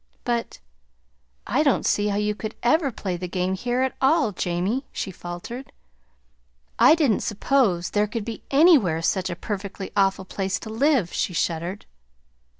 "But I don't see how you can ever play the game here at all, Jamie," she faltered. "I didn't suppose there could be anywhere such a perfectly awful place to live," she shuddered.